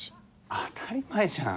当たり前じゃん。